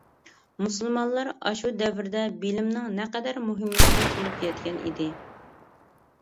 مۇسۇلمانلار ئاشۇ دەۋردە بىلىمنىڭ نەقەدەر مۇھىملىقىنى تونۇپ يەتكەن ئىدى.